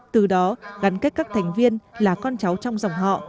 từ đó gắn kết các thành viên là con cháu trong dòng họ